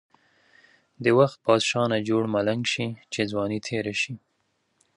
د وخت بادشاه نه جوړ ملنګ شی، چی ځوانی تیره شی.